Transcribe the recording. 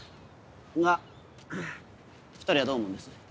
が２人はどう思うんです？